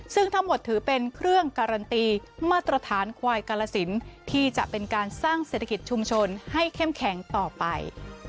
ซึ่งทั้งหมดถือเป็นเครื่องการันตีมาตรฐานควายกาลสินที่จะเป็นการสร้างเศรษฐกิจชุมชนให้เข้มแข็งต่อไป